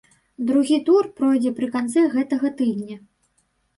Другі тур пройдзе пры канцы гэтага тыдня.